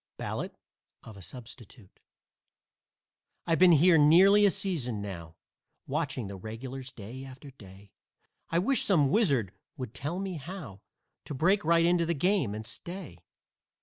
BALLADE OF A SUBSTITUTE I've been here nearly a season now, Watching the regulars, day after day; I wish some wizard would tell me how To break right into the game and stay.